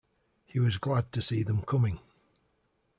He was glad to see them coming.